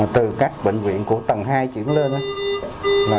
từ các bệnh viện của tầng hai chuyển lên